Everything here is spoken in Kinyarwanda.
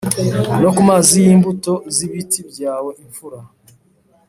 no ku mazi y imbuto z ibiti byawe Imfura